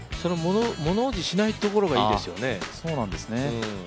物怖じしないところがいいですよね。